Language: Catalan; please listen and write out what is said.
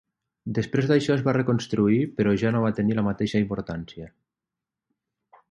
Després d'això es va reconstruir però ja no va tenir la mateixa importància.